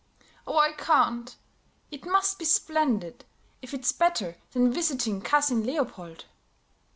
"Oh, I can't. It must be splendid, if it's better than visiting Cousin Leopold."